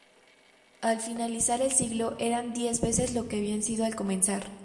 Al finalizar el siglo eran diez veces lo que habían sido al comenzar.